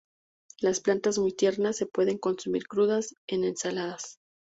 Las plantas muy tiernas se pueden consumir crudas en ensaladas.